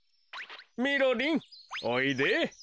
みろりんおいで。